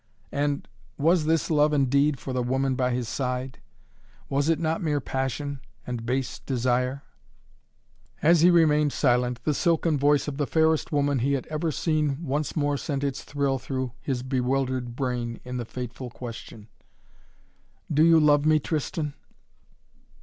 And was this love indeed for the woman by his side? Was it not mere passion and base desire? As he remained silent the silken voice of the fairest woman he had ever seen once more sent its thrill through his bewildered brain in the fateful question: "Do you love me, Tristan?"